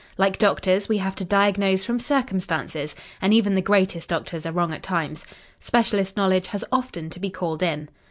Like doctors, we have to diagnose from circumstances and even the greatest doctors are wrong at times. Specialist knowledge has often to be called in.